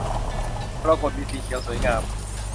มรกต มีสีเขียว สวยงาม